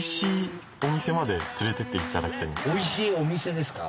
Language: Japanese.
おいしいお店ですか？